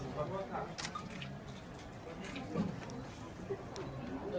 ขอบคุณครับ